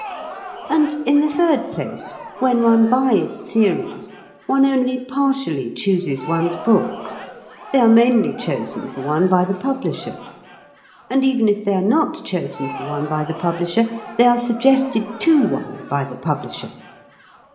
And in the third place, when one buys series, one only partially chooses one's books; they are mainly chosen for one by the publisher. And even if they are not chosen for one by the publisher, they are suggested to one by the publisher.